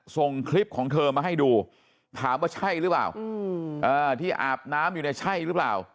ส่งคลิปของเธอมาให้ดูถามว่าใช่หรือเปล่าที่อาบน้ำอยู่เนี่ยใช่หรือเปล่า